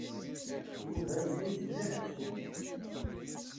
Yuba yella yettmelliḥ aksum.